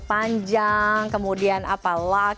umur panjang kemudian apa